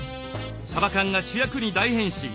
さば缶が主役に大変身。